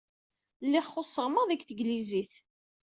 Lliɣ xuṣṣeɣ maḍi deg teglizit.